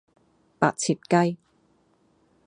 白切雞